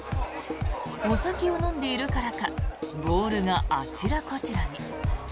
お酒を飲んでいるからかボールがあちらこちらに。